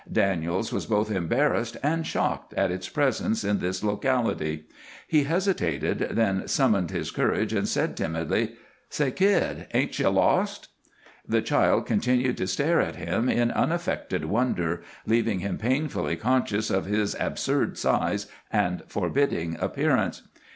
Daniels was both embarrassed and shocked at its presence in this locality. He hesitated, then summoned his courage and said, timidly: "Say, kid, ain't you lost?" The child continued to stare at him in unaffected wonder, leaving him painfully conscious of his absurd size and forbidding appearance.